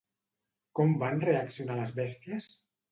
Com van reaccionar les bèsties?